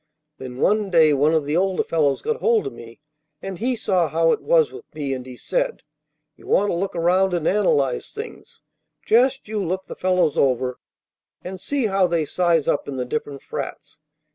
Then one day one of the older fellows got hold of me, and he saw how it was with me; and he said: 'You want to look around and analyze things. Just you look the fellows over, and see how they size up in the different frats.